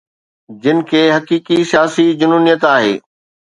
جن کي حقيقي سياسي جنونيت آهي